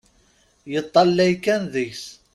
Yeṭṭalay kan deg-s.